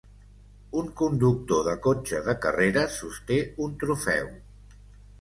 Un conductor de cotxe de carreres sosté un trofeu.